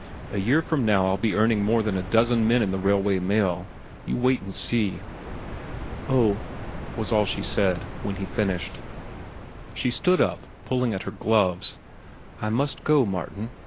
"A year from now I'll be earning more than a dozen men in the Railway Mail. You wait and see." "Oh," was all she said, when he finished. She stood up, pulling at her gloves. "I must go, Martin.